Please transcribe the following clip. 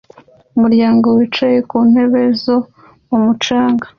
Umuryango wicaye ku ntebe zo ku mucanga